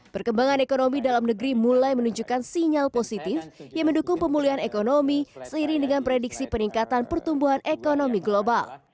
perkembangan ekonomi dalam negeri mulai menunjukkan sinyal positif yang mendukung pemulihan ekonomi seiring dengan prediksi peningkatan pertumbuhan ekonomi global